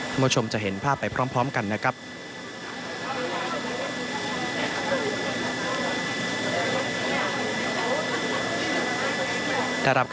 คุณผู้ชมจะเห็นภาพไปพร้อมกันนะครับ